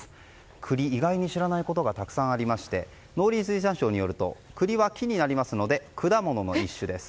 栗、意外に知らないことがたくさんありまして農林水産省によると栗は木になりますので果物の一種です。